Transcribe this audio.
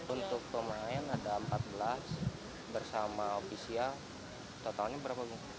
untuk pemain ada empat belas bersama ofisial totalnya berapa bu